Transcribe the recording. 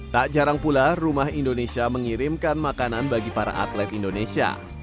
tak jarang pula rumah indonesia mengirimkan makanan bagi para atlet indonesia